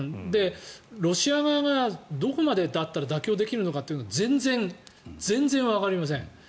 ロシア側がどこまでだったら妥協できるのかって全然わかりません。